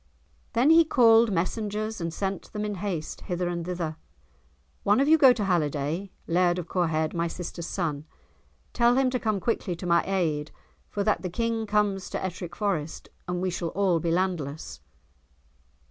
Then he called messengers and sent them in haste hither and thither. "One of you go to Halliday, Laird of Corehead, my sister's son. Tell him to come quickly to my aid, for that the King comes to Ettrick Forest, and we shall all be landless."